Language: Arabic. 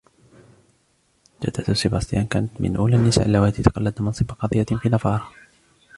جدة سيباستيان كانت من أول النساء اللواتي تقلدن منصب قاضية في نافارا.